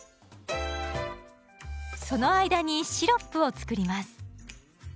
その間にシロップを作ります。